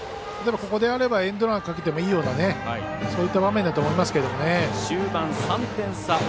ここであればエンドランかけてもいいようなそういった場面だと思います。